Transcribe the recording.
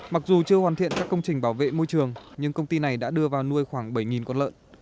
mặc dù chưa hoàn thiện các công trình bảo vệ môi trường nhưng công ty này đã đưa vào nuôi khoảng bảy con lợn